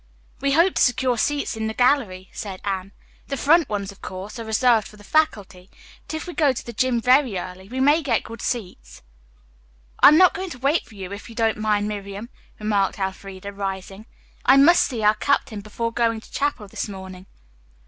"We hope to secure seats in the gallery," said Anne. "The front ones, of course, are reserved for the faculty, but if we go to the gym very early we may get good seats." "I am not going to wait for you, if you don't mind, Miriam," remarked Elfreda, rising. "I must see our captain before going to chapel this morning."